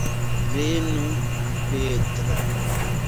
Venu, Petra.